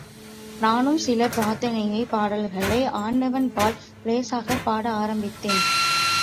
நானும் சில பிரார்த்தனைப் பாடல்களை ஆண்டவன்பால் லேசாகப் பாட ஆரம்பித்தேன்.